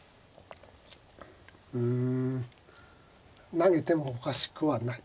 うん投げてもおかしくはない。